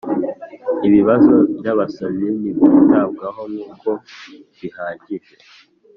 Ibibazo by abasomyi ntibyitabwaho nkuko bihagije